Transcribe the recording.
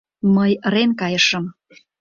Мый ырен кайышым.